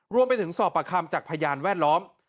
รวมไปถึงสอบประคำจากพยานแวดล้อม